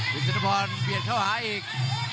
หลุดสนุพรเบียดเข้าหาอีก